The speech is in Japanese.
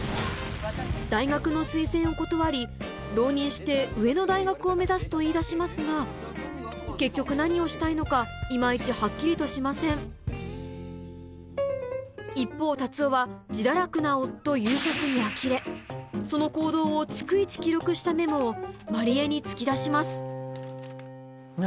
大学の推薦を断り浪人して上の大学を目指すと言い出しますが結局何をしたいのか今イチはっきりとしません一方達男は自堕落な夫・悠作にあきれその行動を逐一記録したメモを万里江に突き出します何？